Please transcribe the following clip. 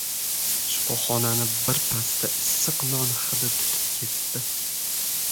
Sinfxonani birpasda issiq non hidi tutib ketdi.